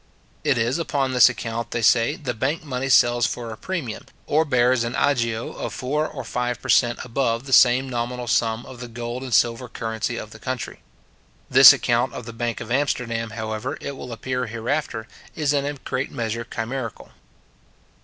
It is upon this account, they say, the bank money sells for a premium, or bears an agio of four or five per cent. above the same nominal sum of the gold and silver currency of the country. This account of the bank of Amsterdam, however, it will appear hereafter, is in a great measure chimerical.